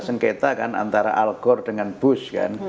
sengketa kan antara al gore dengan bush